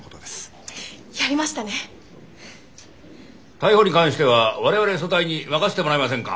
逮捕に関しては我々組対に任せてもらえませんか。